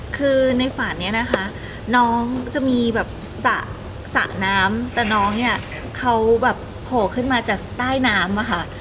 คือในฝันเนี่ยนะคะน้องจะมีแบบสระน้ำแต่น้องเนี่ยเขาแบบโผล่ขึ้นมาจากใต้น้ำอะค่ะ